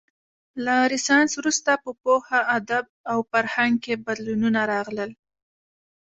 له رنسانس وروسته په پوهه، ادب او فرهنګ کې بدلونونه راغلل.